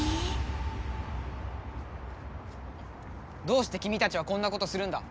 どうして君たちはこんなことするんだ！